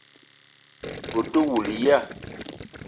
Ou te woul ya?